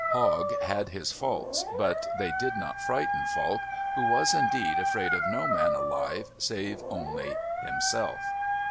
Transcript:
Hogg had his faults but they did not frighten Falk, who was, indeed, afraid of no man alive save only himself.